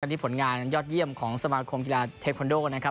ที่ผลงานยอดเยี่ยมของสมาคมกีฬาเทคอนโดนะครับ